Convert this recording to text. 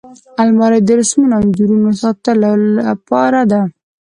الماري د رسمونو او انځورونو ساتلو لپاره ده